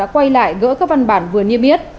quay lại gỡ các văn bản vừa niêm yết